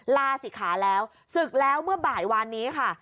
ลาศิขาแล้วศึกแล้วเมื่อบ่ายวานนี้ค่ะ